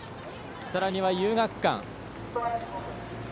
さらには遊学館。